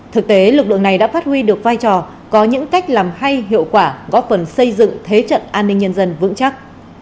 thực tế lực lượng này đã phát huy được vai trò có những cách làm hay hiệu quả góp phần xây dựng thế trận an ninh nhân dân vững chắc